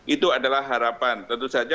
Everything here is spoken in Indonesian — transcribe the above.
itu adalah harapan tentu saja